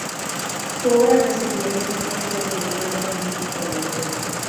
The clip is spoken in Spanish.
Su obra recibió la influencia del movimiento romántico europeo.